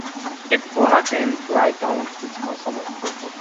A plug-n-play dedicated console version has also been released.